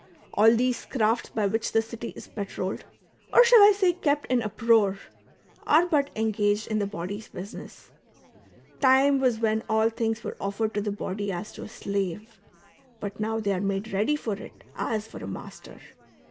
All these crafts by which the city is patrolled — or shall I say kept in uproar — are but engaged in the body's business ; time was when all things were otfei'ed to the body as to a slave, but now they are made ready for it as for a master.